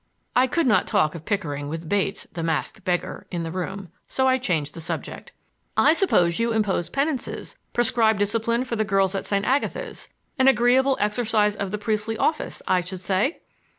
I could not talk of Pickering with Bates—the masked beggar!—in the room, so I changed the subject. "I suppose you impose penances, prescribe discipline for the girls at St. Agatha's,—an agreeable exercise of the priestly office, I should say!"